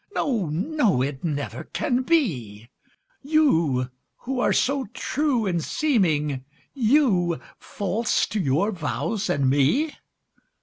No, no, it never can be You who are so true in seeming, You, false to your vows and me?